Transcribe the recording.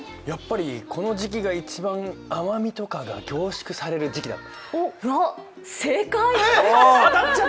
やっぱりこの時期が一番甘みとかが凝縮される時期だから？